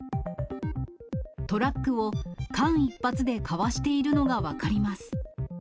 トラックを間一髪でかわしているのが分かります。